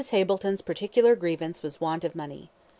Hableton's particular grievance was want of money.